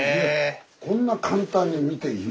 こんな簡単に見ていいの？